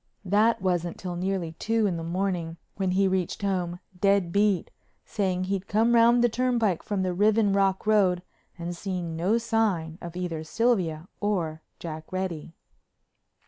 That wasn't till nearly two in the morning, when he reached home, dead beat, saying he'd come round the turnpike from the Riven Rock Road and seen no sign of either Sylvia or Jack Reddy.